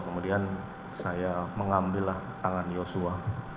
kemudian saya mengambillah tangan yosua